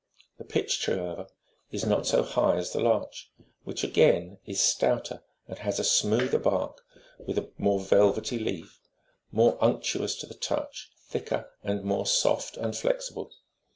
The pitch tree, however, is not so high as the larch ; which, again, is stouter, and has a smoother back, with a more velvety leaf, more unctuous to the touch, thicker, and more soft and flexi ble.